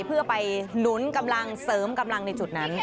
เพื่อไปหนุนกำลังเสริมกำลังในจุดนั้น